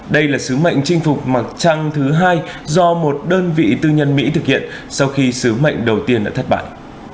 đây là sứ mệnh chinh phục mặt trăng thứ hai do một đơn vị tư nhân mỹ thực hiện sau khi sứ mệnh đầu tiên đã thất bại